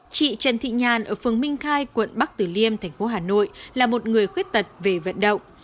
chị trần thị nhàn ở phường minh khai quận bắc tử liêm thành phố hà nội là một người khuyết tật về vận động